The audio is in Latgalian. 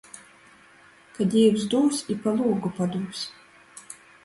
Ka Dīvs dūs, i pa lūgu padūs.